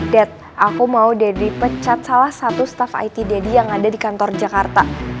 dad aku mau daddy pecat salah satu staff id daddy yang ada di kantor jakarta